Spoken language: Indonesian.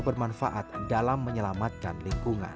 bermanfaat dalam menyelamatkan lingkungan